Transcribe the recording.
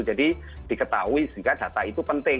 jadi diketahui sehingga data itu penting